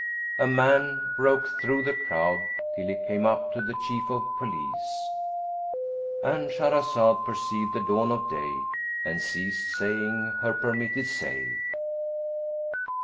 a man broke through the crowd till he came up to the Chief of Police,—And Shahrazad perceived the dawn of day and ceased saying her permitted say.